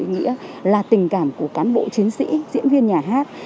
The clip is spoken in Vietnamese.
ý nghĩa là tình cảm của cán bộ chiến sĩ diễn viên nhà hát